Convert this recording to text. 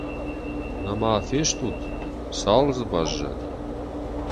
Нӕма фестут? Цал дзы баззади?